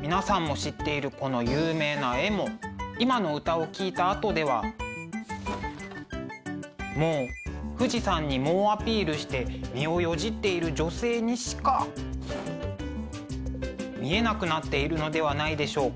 皆さんも知っているこの有名な絵も今の歌を聴いたあとではもう富士山に猛アピールして身をよじっている女性にしか見えなくなっているのではないでしょうか。